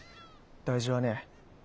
大事はねぇ。